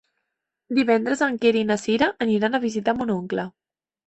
Divendres en Quer i na Cira aniran a visitar mon oncle.